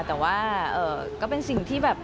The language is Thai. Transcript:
แต่ว่าก็เป็นสิ่งที่แบบ